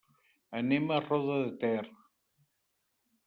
Anem a Roda de Ter.